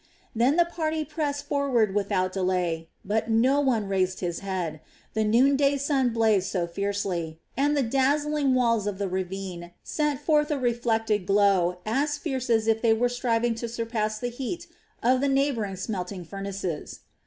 Then the party pressed forward without delay, but no one raised his head; the noon day sun blazed so fiercely, and the dazzling walls of the ravine sent forth a reflected glow as fierce as if they were striving to surpass the heat of the neighboring smelting furnaces.